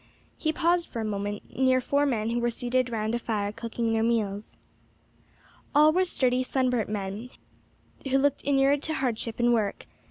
He paused for a moment near four men who were seated round a fire cooking their meals. All were sturdy, sunburnt men, who looked inured to hardship and work.